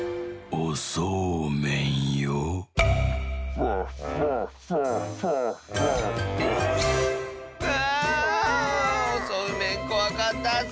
おそうめんこわかったッス！